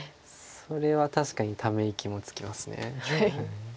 それは確かにため息もつきます。